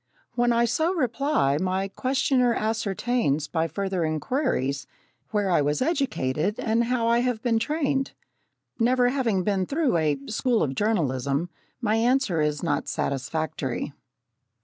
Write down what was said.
When I so reply, my questioner ascertains by further inquiries where I was educated and how I have been trained. Never having been through a "School of Journalism," my answer is not satisfactory.